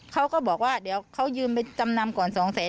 เขาก็บอกว่าเดี๋ยวเขายืมไปจำนำก่อน๒แสน